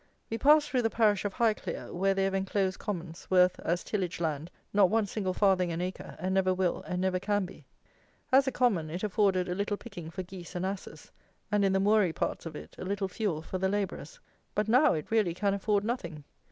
We passed through the parish of Highclere, where they have enclosed commons, worth, as tillage land, not one single farthing an acre, and never will and never can be. As a common it afforded a little picking for geese and asses, and in the moory parts of it, a little fuel for the labourers. But now it really can afford nothing.